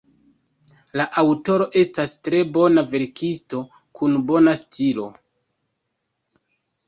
La aŭtoro estas tre bona verkisto, kun bona stilo.